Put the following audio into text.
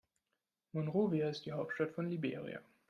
Monrovia ist die Hauptstadt von Liberia.